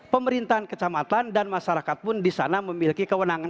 pemerintahan kecamatan dan masyarakat pun di sana memiliki kewenangan